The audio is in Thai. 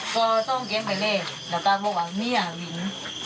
เดี๋ยวก็บอกว่าเมียหลวง